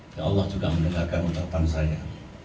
ya allah juga menegakkan utapan saya